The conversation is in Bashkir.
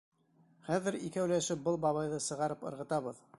Хәҙер икәүләшеп был бабайҙы сығарып ырғытабыҙ!